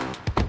ya udah yaudah